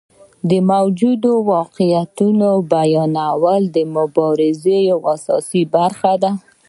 د موجودو واقعیتونو بیانول د مبارزې یوه اساسي برخه ده.